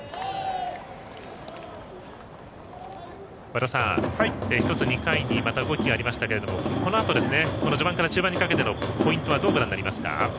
和田さん、１つ２回にまた動きがありましたがこのあと序盤から中盤にかけてのポイントはどうご覧になりますか。